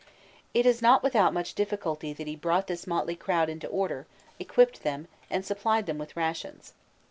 It was not without much difficulty that he brought this motley crowd into order, equipped them, and supplied them with rations.